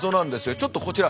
ちょっとこちら。